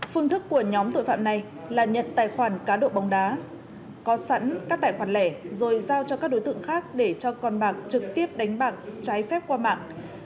phương thức của nhóm tội phạm này là nhận tài khoản cá độ bóng đá có sẵn các tài khoản lẻ rồi giao cho các đối tượng khác để cho con bạc trực tiếp đánh bạc trái phép qua mạng